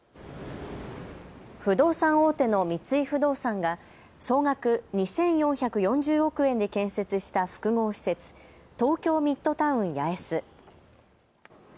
不動産大手の三井不動産が総額２４４０億円で建設した複合施設、東京ミッドタウン八重洲。